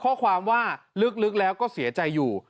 ข้อความว่าลึกแล้วก็เสียใจอยู่